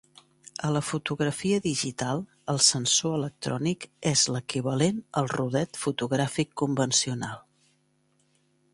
A la fotografia digital el sensor electrònic és l'equivalent al rodet fotogràfic convencional.